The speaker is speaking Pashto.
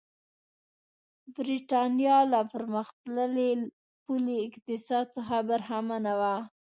برېټانیا له پرمختللي پولي اقتصاد څخه برخمنه وه.